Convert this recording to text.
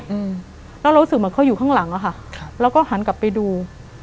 แล้วเรารู้สึกเหมือนเขาอยู่ข้างหลังแล้วก็หันกลับไปดู